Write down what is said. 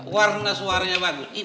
warna suaranya bagus